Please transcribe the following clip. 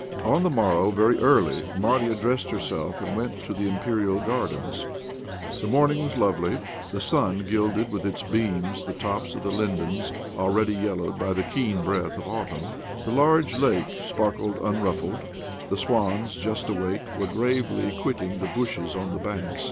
On the morrow, very early, Marya dressed herself and went to the Imperial Gardens. The morning was lovely. The sun gilded with its beams the tops of the lindens, already yellowed by the keen breath of autumn. The large lake sparkled unruffled; the swans, just awake, were gravely quitting the bushes on the bank.